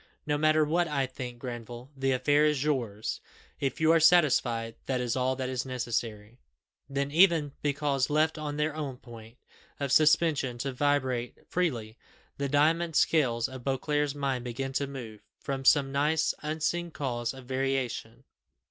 "No matter what I think, Granville, the affair is yours. If you are satisfied, that is all that is necessary." Then even, because left on their own point of suspension to vibrate freely, the diamond scales of Beauclerc's mind began to move, from some nice, unseen cause of variation.